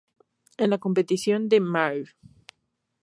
En la competición del Mr.